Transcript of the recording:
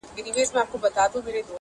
پښتې ستري تر سترو، استثناء د يوې گوتي,